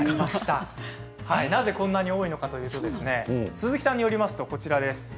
なぜこんなに多いのかというと鈴木さんによりますとこちらです。